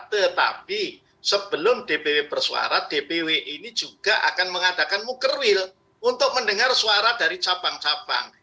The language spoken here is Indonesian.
tetapi sebelum dpw bersuara dpw ini juga akan mengadakan mukerwil untuk mendengar suara dari cabang cabang